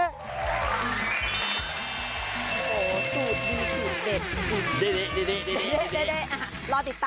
โอ้โธ่ปุ๋ยดีเดะ